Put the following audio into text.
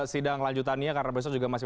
sidang lanjutannya karena besok juga masih